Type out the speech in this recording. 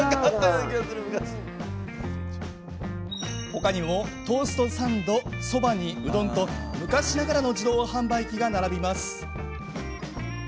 他にもトーストサンドそばに、うどんと昔ながらの自動販売機が並びます。